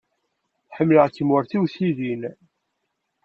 Ḥemmleɣ-kem war tiwtilin.